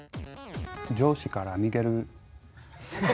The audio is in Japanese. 上司から逃げる。